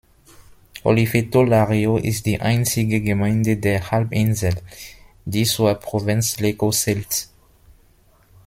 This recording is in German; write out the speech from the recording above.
Oliveto Lario ist die einzige Gemeinde der Halbinsel, die zur Provinz Lecco zählt.